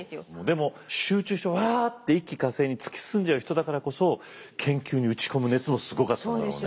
でも集中してわあって一気呵成に突き進んじゃう人だからこそ研究に打ち込む熱もすごかっただろうね。